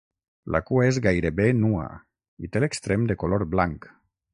La cua és gairebé nua i té l'extrem de color blanc.